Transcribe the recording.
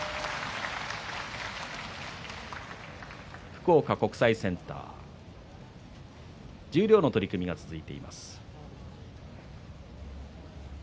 福岡国際センター十両の取組が続いています。